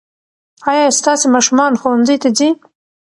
ايا ستاسې ماشومان ښوونځي ته ځي؟